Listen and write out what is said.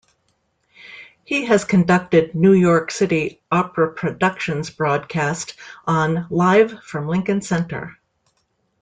He has conducted New York City Opera productions broadcast on Live from Lincoln Center.